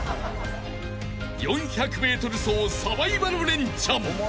［４００ｍ走サバイバルレンチャン］